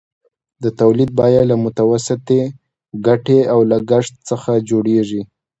د تولید بیه له متوسطې ګټې او لګښت څخه جوړېږي